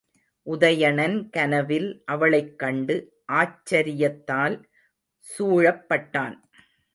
உதயணன் கனவில் அவளைக் கண்டு ஆச்சரியத்தால் சூழப்பட்டான்.